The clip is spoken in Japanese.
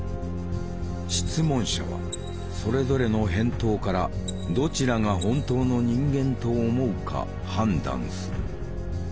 質問者はそれぞれの返答からどちらが本当の人間と思うか判断する。